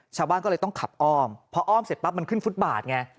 ชาวบ้านก็เลยต้องขับอ้อมพออ้อมเสร็จปั๊บมันขึ้นฟุตบาทไง